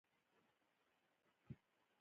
د موټرو د سرعت کچه د لارښود سره سم وساتئ.